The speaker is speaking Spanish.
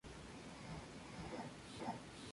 Es la sede de la Universidad de Burundi.